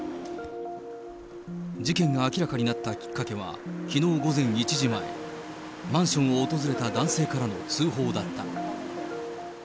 事件が明らかになったきっかけは、きのう午前１時前、マンションを訪れた男性からの通報だった。